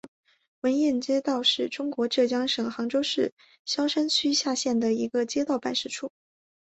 闻堰街道是中国浙江省杭州市萧山区下辖的一个街道办事处。